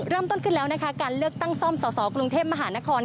เริ่มต้นขึ้นแล้วนะคะการเลือกตั้งซ่อมสสกรุงเทพมหานคร